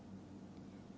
công việc nhẹn